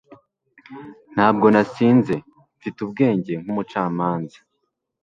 Ntabwo nasinze. Mfite ubwenge nkumucamanza.